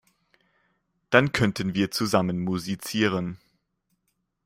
Dann könnten wir zusammen musizieren.